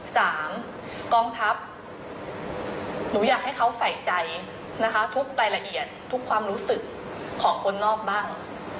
กองทัพหนูอยากให้เขาใส่ใจนะคะทุกรายละเอียดทุกความรู้สึกของคนนอกบ้าง